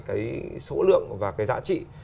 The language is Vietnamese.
cái số lượng và cái giá trị